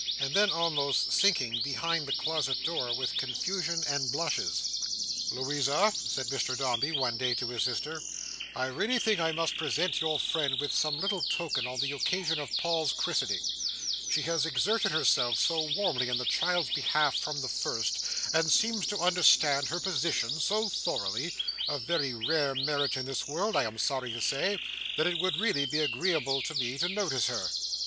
and then almost sinking behind the closet door with confusion and blushes. "Louisa," said Mr Dombey, one day, to his sister, "I really think I must present your friend with some little token, on the occasion of Paul's christening. She has exerted herself so warmly in the child's behalf from the first, and seems to understand her position so thoroughly (a very rare merit in this world, I am sorry to say), that it would really be agreeable to me to notice her."